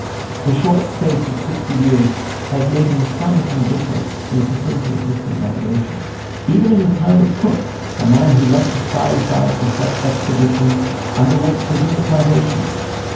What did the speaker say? The short space of sixty years has made an astonishing difference in the facility of distant navigation. Even in the time of Cook, a man who left his fireside for such expeditions underwent severe privations.